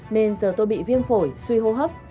nên giờ tôi bị viêm phổi suy hô hấp